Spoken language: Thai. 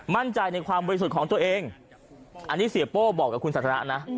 มั่นใจในความบริสุทธิ์ของตัวเองอันนี้เสียโป้บอกกับคุณสันทนะ